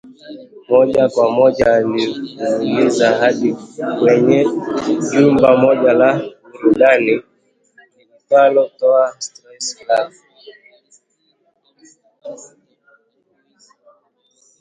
Moja kwa moja alifululiza hadi kwenye jumba moja la burudani liitwalo Toa Stress Club